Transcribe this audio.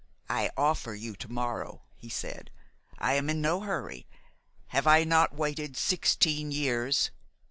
"I offer you to morrow," he said. "I am in no hurry. Have I not waited sixteen years?